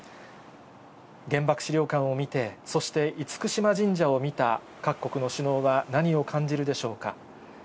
原爆資料館を見て、そして厳島神社を見た各国の首脳は、何を感じるでしょうか。